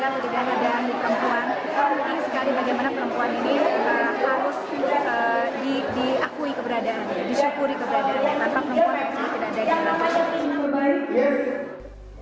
kami sekalian bagaimana perempuan ini harus diakui keberadaan disyukuri keberadaan tanpa perempuan yang tidak ada di hadapan